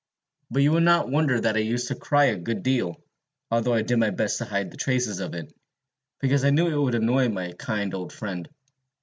But you will not wonder that I used to cry a good deal, although I did my best to hide the traces of it, because I knew it would annoy my kind old friend.